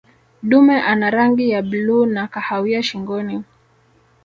dume ana rangi ya bluu na kahawia shingoni